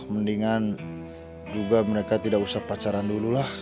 mendingan juga mereka tidak usah pacaran dulu lah